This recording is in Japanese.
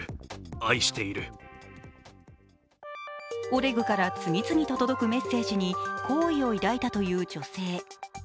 オレグから次々と届くメッセージに好意を抱いたという女性。